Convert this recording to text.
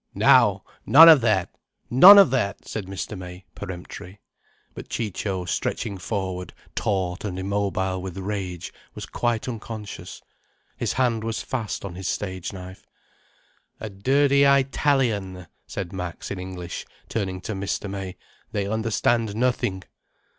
"Now! None of that! None of that!" said Mr. May, peremptory. But Ciccio, stretching forward taut and immobile with rage, was quite unconscious. His hand was fast on his stage knife. "A dirty Eyetalian," said Max, in English, turning to Mr. May. "They understand nothing."